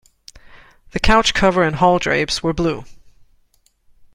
The couch cover and hall drapes were blue.